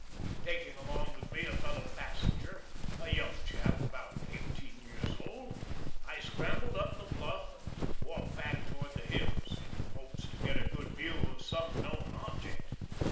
Taking along with me a fellow passenger, a young chap about eighteen years old, I scrambled up the bluff, and walked back toward the hills, in hopes to get a good view of some known object.